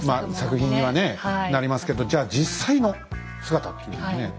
作品にはねなりますけどじゃあ実際の姿っていうのをね。